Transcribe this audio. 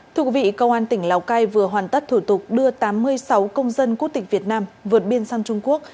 thưa quý vị công an tỉnh lào cai vừa hoàn tất thủ tục đưa tám mươi sáu công dân quốc tịch việt nam vượt biên sang trung quốc